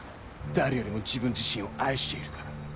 誰よりも自分自身を愛しているから。